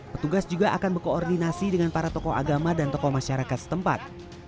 petugas juga akan berkoordinasi dengan para tokoh agama dan tokoh masyarakat setempat